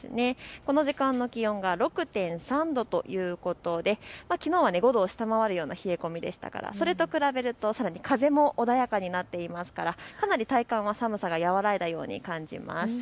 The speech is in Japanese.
この時間の気温が６．３度ということできのうは５度を下回るような冷え込みでしたからそれと比べるとさらに風も穏やかになっていますから、かなり体感は寒さが和らいだように感じます。